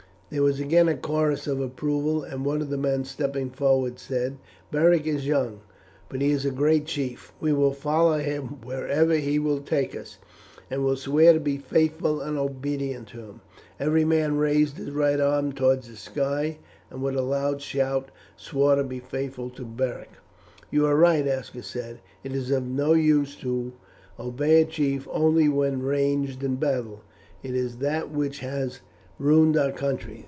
There was again a chorus of approval, and one of the men stepping forward said, "Beric is young, but he is a great chief. We will follow him wherever he will take us, and will swear to be faithful and obedient to him." Every man raised his right arm towards the sky, and with a loud shout swore to be faithful to Beric. "You are right," Aska said. "It is of no use to obey a chief only when ranged in battle; it is that which has ruined our country.